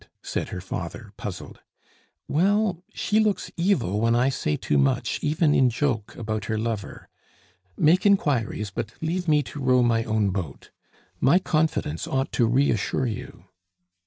said her father, puzzled. "Well, she looks evil when I say too much, even in joke, about her lover. Make inquiries, but leave me to row my own boat. My confidence ought to reassure you."